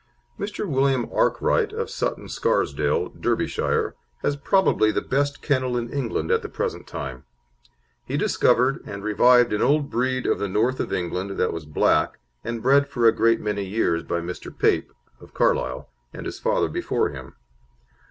Mr. William Arkwright, of Sutton Scarsdale, Derbyshire, has probably the best kennel in England at the present time. He discovered and revived an old breed of the North of England that was black, and bred for a great many years by Mr. Pape, of Carlisle, and his father before him.